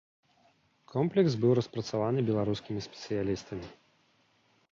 Комплекс быў распрацаваны беларускімі спецыялістамі.